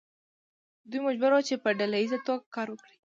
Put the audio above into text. دوی مجبور وو چې په ډله ایزه توګه کار وکړي.